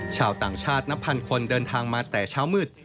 ชาวต่างชาตินับพันคนเดินทางมาแต่เช้ามืด